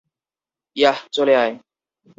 Yeah, চলে আয়!